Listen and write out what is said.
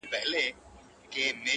نور د دردونو له پاچا سره خبرې وکړه!